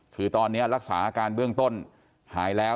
คือตอนนี้รักษาอาการเบื้องต้นหายแล้ว